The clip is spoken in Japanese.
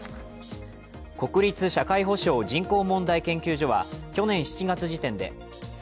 国立社会保障・人口問題研究所は去年７月時点で妻